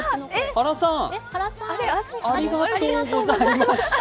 原さん、ありがとうございました。